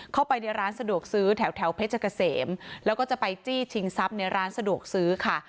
เข้าไปในร้านสะดวกซื้อแถวเพชรเกษมแล้วก็จะไปจี้ชิงทรัพย์ในร้านสะดวกซื้อค่ะ